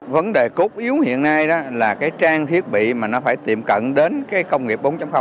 vấn đề cốt yếu hiện nay đó là cái trang thiết bị mà nó phải tiệm cận đến cái công nghiệp bốn